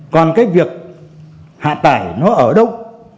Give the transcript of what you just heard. còn cái việc hạ tải nó ở đâu